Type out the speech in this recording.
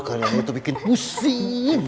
kalian itu bikin pusing